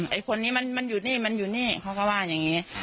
ไอ้คนนี้มันอยู่นี่มันอยู่นี่เขาก็ว่าอย่างนี้